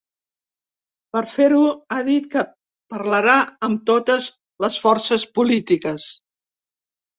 Per fer-ho, ha dit que parlarà amb totes les forces polítiques.